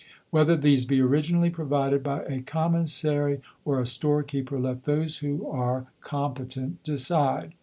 Whether these be originally provided by a Commissary or a storekeeper, let those who are competent decide.